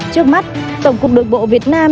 trước mắt tổng cục đường bộ việt nam